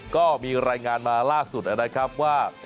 ก็มีรายงานมาล่าสุดได้ค่ะว่า